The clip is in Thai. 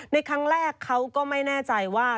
ในครั้งแรกเขาก็ไม่แน่ใจว่า